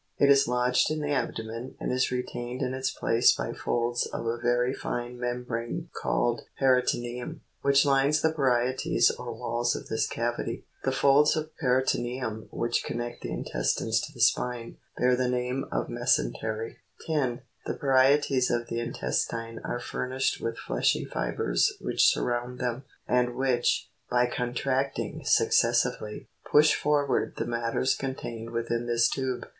It is lodged in the abdomen, and is retained in its place by folds of a very fine membrane called peritoneum, which lines the parietes or walls of this cavity. The folds of peritoneum which connect the intestines to the spine, bear the name of mesentery. 10. The parietes of the intestine are furnished with fleshy fibres which surround them, and which, by contracting successively, push forward the matters contained within this tube.